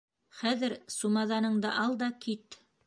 Хәҙер сумаҙаныңды ал да кит!